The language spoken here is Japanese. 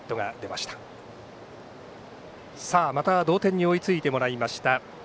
また同点に追いついてもらいました。